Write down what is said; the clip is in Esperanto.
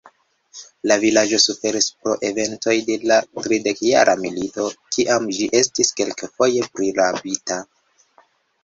La vilaĝo suferis pro eventoj de la tridekjara milito, kiam ĝi estis kelkfoje prirabita.